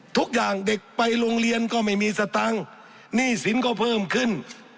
ทุกอย่างเด็กไปโรงเรียนก็ไม่มีสตังค์หนี้สินก็เพิ่มขึ้น